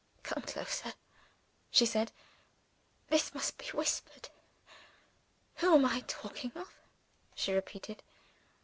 "Come closer," she said, "this must be whispered. Who am I talking of?" she repeated.